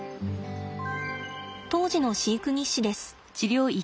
当時の飼育日誌です。